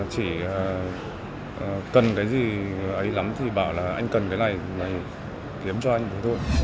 chỉ cần cái gì ấy lắm thì bảo là anh cần cái này này kiếm cho anh cái thôi